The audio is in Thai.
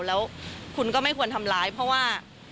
แล้วคุณก็ไม่ควรทำร้ายเพราะว่า